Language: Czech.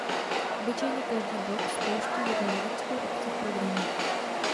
Obyčejně každý blok spouští jednu logickou akci v programu.